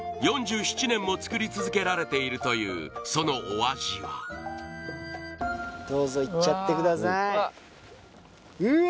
４７年も作り続けられているというそのお味はどうぞいっちゃってください